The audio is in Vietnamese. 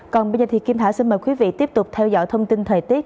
còn bây giờ thì kim thảo xin mời quý vị tiếp tục theo dõi thông tin thời tiết